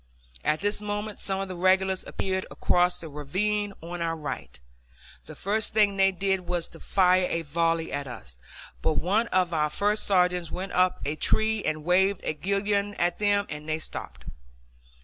At this moment some of the regulars appeared across the ravine on our right. The first thing they did was to fire a volley at us, but one of our first sergeants went up a tree and waved a guidon at them and they stopped.